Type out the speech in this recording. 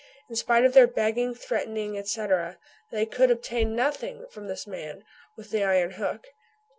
In spite of their begging, threatening, etc., they could obtain nothing from this man with the iron hook.